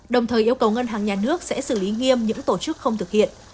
đồng thời yêu cầu ngân hàng nhà nước sẽ xử lý nghiêm những tổ chức không thực hiện